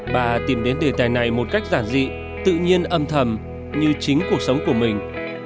bà tìm đến đề tài này một cách giản dị tự nhiên âm thầm như chính cuộc sống của mình